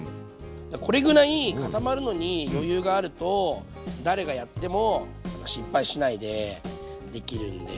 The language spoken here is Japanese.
これぐらい固まるのに余裕があると誰がやっても失敗しないでできるんで。